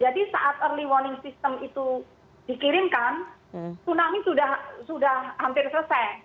jadi saat early warning system itu dikirimkan tsunami sudah hampir selesai